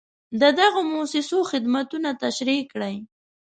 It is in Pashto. د دغو مؤسسو خدمتونه تشریح کړئ.